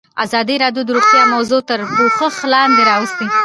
ازادي راډیو د روغتیا موضوع تر پوښښ لاندې راوستې.